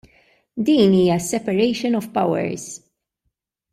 Din hija s-separation of powers.